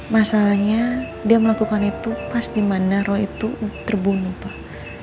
masalahnya dia melakukan itu pas dimana roy itu terbunuh